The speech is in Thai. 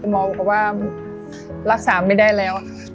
หมอบอกว่ารักษาไม่ได้แล้ว